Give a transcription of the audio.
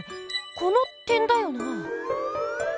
この点だよなぁ。